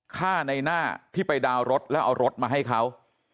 ฆ่าในหน้าที่ไปดาวน์รถแล้วเอารถมาให้เขา